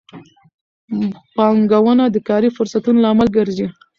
پانګونه د کاري فرصتونو لامل ګرځي.